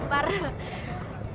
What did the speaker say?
selalu deh duluan empar